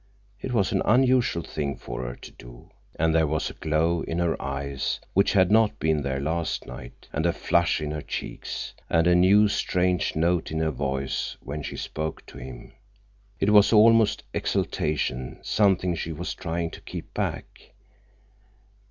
It was an unusual thing for her to do. And there was a glow in her eyes which had not been there last night, and a flush in her cheeks, and a new, strange note in her voice when she spoke to him. It was almost exultation, something she was trying to keep back.